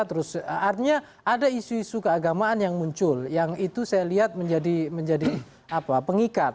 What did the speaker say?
terus artinya ada isu isu keagamaan yang muncul yang itu saya lihat menjadi pengikat